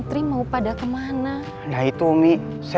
terima kasih lord allah